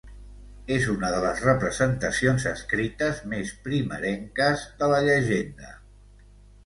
És una de les representacions escrites més primerenques de la llegenda.